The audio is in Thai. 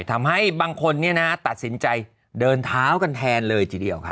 ทำให้บางคนตัดสินใจเดินเท้ากันแทนเลยทีเดียวค่ะ